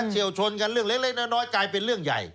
เชี่ยวชนกันเรื่องเล็กน้อยกลายเป็นเรื่องใหญ่